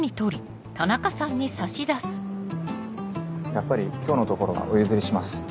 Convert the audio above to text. やっぱり今日のところはお譲りします。